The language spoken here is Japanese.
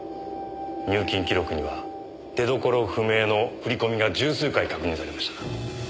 入金記録には出所不明の振り込みが十数回確認されました。